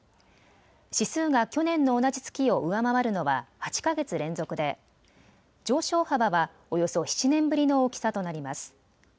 指数が去年の同じ月を上回るのは８か月連続で、上昇幅はおよそ７年ぶりの大きさとなります。